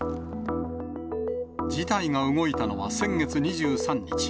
事態が動いたのは先月２３日。